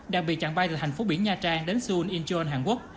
đặc biệt chặng bay từ thành phố biển nha trang đến seoul incheon hàn quốc